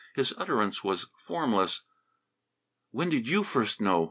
His utterance was formless. "When did you first know?"